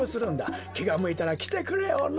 きがむいたらきてくれよな。